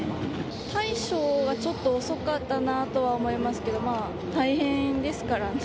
対処がちょっと遅かったなとは思いますけど、大変ですから。